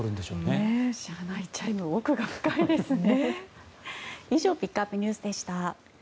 車内チャイム奥が深いですね。